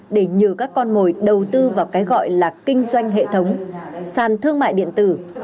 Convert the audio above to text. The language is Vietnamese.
để nhờ các con mồi đầu tư vào cái gọi là kinh doanh hệ thống sàn thương mại điện tử